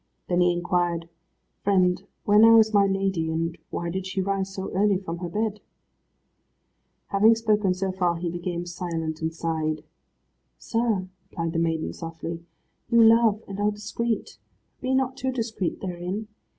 Then he inquired, "Friend, where now is my lady, and why did she rise so early from her bed?" Having spoken so far, he became silent, and sighed. "Sir," replied the maiden softly, "you love, and are discreet, but be not too discreet therein.